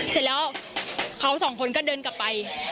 เสร็จแล้วเขาสองคนก็เดินกลับไป